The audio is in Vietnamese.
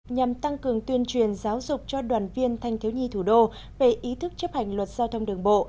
nhằm tăng cường tuyên truyền giáo dục cho đoàn viên thanh thiếu nhi thủ đô về ý thức chấp hành luật giao thông đường bộ